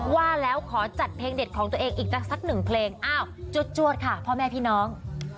ว่าแล้วขอจัดเพลงเด็ดของตัวเองอีกสักหนึ่งเพลงอ้าวจวดค่ะพ่อแม่พี่น้อง